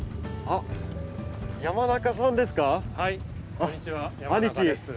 こんにちは山中です。